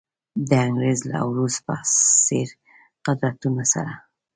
د انګریز او روس په څېر قدرتونو سره.